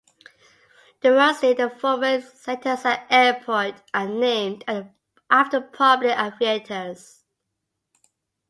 The roads near the former Centocelle airport are named after prominent aviators.